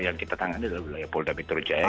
yang kita tangani adalah wilayah polda mitrujaya